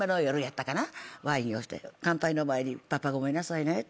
ワイン乾杯の前にパパごめんなさいねって。